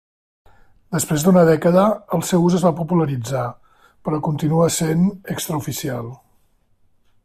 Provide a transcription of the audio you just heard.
Després d'una dècada, el seu ús es va popularitzar, però continuà sent extraoficial.